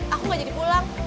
aku gak jadi pulang